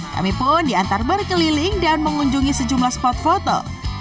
kami pun diantar berkeliling dan mengunjungi sejumlah spot foto